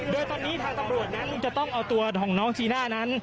โดยตอนนี้ทางตำรวจนั้นจะต้องเอาตัวของน้องจีน่านั้น